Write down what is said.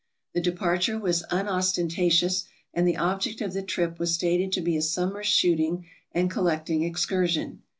The departure was unostentatious, and the object of the trip was stated to be a summer's shooting and collecting excursion.